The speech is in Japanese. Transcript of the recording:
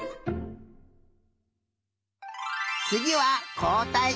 つぎはこうたい。